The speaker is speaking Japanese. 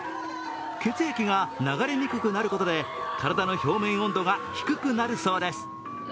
血液が流れにくくなることで体の表面温度が低くなるそうです。